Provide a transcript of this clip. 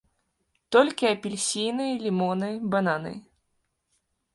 Толькі апельсіны, лімоны, бананы.